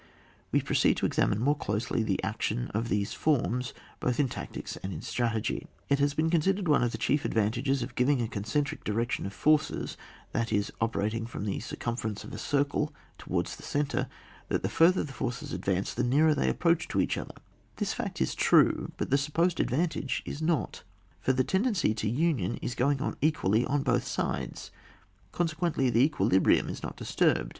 We proceed to examine more closely the action of these forms, both in tactics and in strategy. It has been considered one of the chief advantages of giving a concentric direc tion to forces, that is, operating from the circumference of a circle towards the centre, that the further the forces ad vance, the nearer they approach to each other ; the fact is true, but the supposed advantage is not; for the tendency to union is going on equally on both sides ; consequently, the equilibrium is not dis turbed.